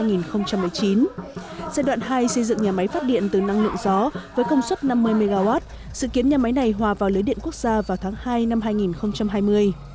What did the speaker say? giai đoạn hai xây dựng nhà máy phát điện từ năng lượng gió với công suất năm mươi mw sự kiến nhà máy này hòa vào lưới điện quốc gia vào tháng hai năm hai nghìn hai mươi